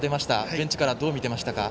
ベンチからどう見ていましたか？